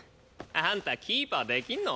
あんたキーパーできんの？